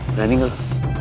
berani gak lo